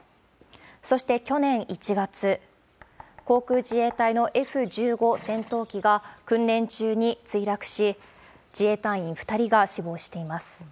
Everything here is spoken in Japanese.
そして去年１月、航空自衛隊のＦ１５戦闘機が訓練中に墜落し、自衛隊員２人が死亡しています。